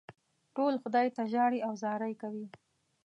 ټول خدای ته ژاړي او زارۍ کوي.